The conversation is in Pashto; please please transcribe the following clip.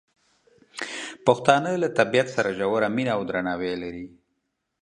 پښتانه له طبیعت سره ژوره مینه او درناوی لري.